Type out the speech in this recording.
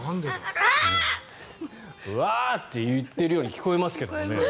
うわー！って言っているように聞こえますけどね。